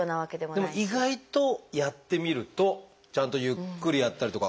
でも意外とやってみるとちゃんとゆっくりやったりとか。